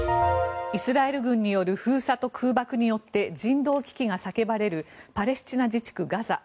イスラエル軍による封鎖と空爆によって人道危機が叫ばれるパレスチナ自治区ガザ。